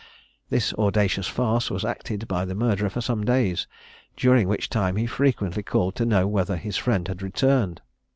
This audacious farce was acted by the murderer for some days, during which time he frequently called to know whether his friend had returned.